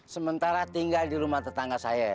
sementara tinggal di rumah tetangga saya